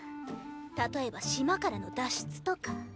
例えば島からの脱出とか。